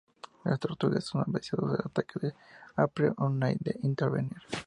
Las tortugas, son avisados del ataque por April O'Neil, en intervenir.